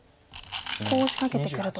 コウを仕掛けてくると。